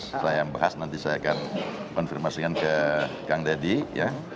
setelah yang bahas nanti saya akan konfirmasikan ke kang deddy ya